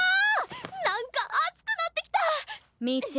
何か熱くなってきた！